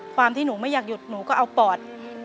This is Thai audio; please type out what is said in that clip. ความที่หนูไม่อยากหยุดหนูก็เอาปอด